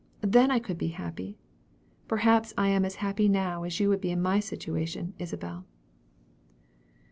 Then I could be happy. Perhaps I am as happy now as you would be in my situation, Isabel."